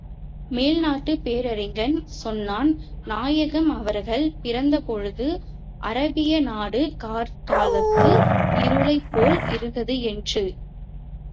மேல்நாட்டுப் பேரறிஞன் சொன்னான் நாயகம் அவர்கள் பிறந்த பொழுது அராபிய நாடு கார்காலத்து இருளைப் போல் இருந்தது என்று.